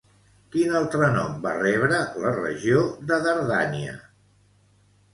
Quin altre nom va rebre la regió de Dardània?